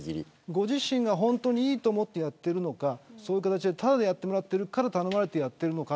ご自身が本当にいいと思ってやっているのかただでやってもらってるから頼まれてやってるのか